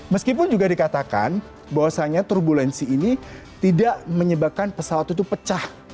meskipun juga dikatakan bahwasannya turbulensi ini tidak menyebabkan pesawat itu pecah